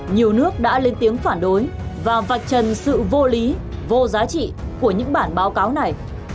nhiều nước đã lên tiếng phản đối và vạch trần sự vô lý vô giá trị của những bản báo cáo này